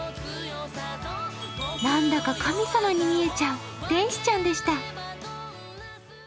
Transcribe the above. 何だか神様に見えちゃう天使ちゃんでした。